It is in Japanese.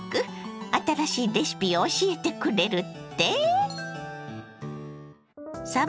新しいレシピを教えてくれるって？